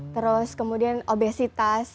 terus kemudian obesitas